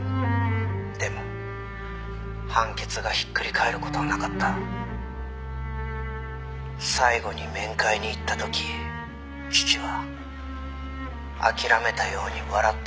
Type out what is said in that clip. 「でも判決がひっくり返る事はなかった」「最後に面会に行った時父は諦めたように笑って言ったんです」